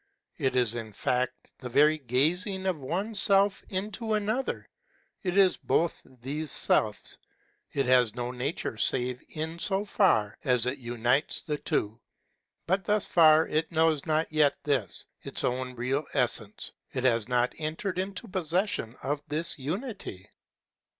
It is in fact the very gazing of one Self into another ; it is both these selves ; it has no nature save in so far as it unites the two. But thus far it knows not yet this its own real essence ; it has not entered into possession of this unity.